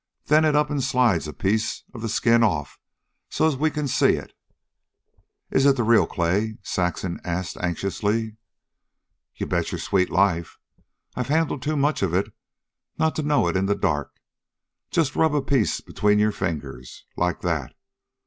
Then it up an' slides a piece of the skin off so as we can see it." "Is it the real clay?" Saxon asked anxiously. "You bet your sweet life. I've handled too much of it not to know it in the dark. Just rub a piece between your fingers. Like that.